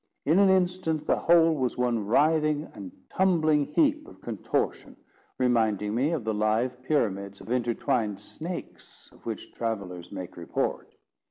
In an instant, the whole was one writhing and tumbling heap of contortion, reminding me of the live pyramids of intertwined snakes of which travellers make report.